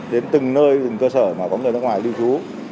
đến từng nơi từng cơ sở mà có người nước ngoài lưu trú